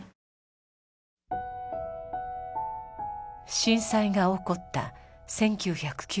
震災が起こった１９９５年。